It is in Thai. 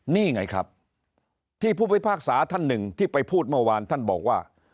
นี่ไงครับที่ผู้พิพากษาท่านหนึ่งที่ไปพูดเมื่อวานท่านบอกว่า